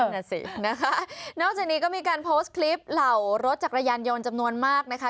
น่ะสินะคะนอกจากนี้ก็มีการโพสต์คลิปเหล่ารถจักรยานยนต์จำนวนมากนะคะ